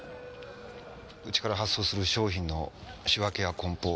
うちから発送する商品の仕分けや梱包